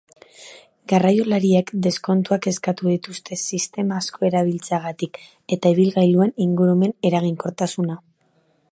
Garraiolariek deskontuak eskatu dituzte sistema asko erabiltzeagatik eta ibilgailuen ingurumen-eraginkortasuna.